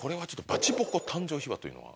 「バチボコ」誕生秘話というのは？